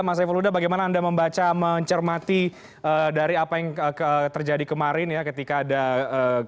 mas saiful huda bagaimana anda membaca mencermati dari apa yang terjadi kemarin ya ketika ada kejadian